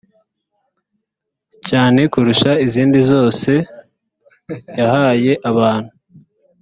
cyane kurusha izindi zose yahaye abantu